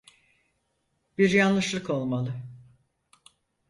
Bir yanlışlık olmalı.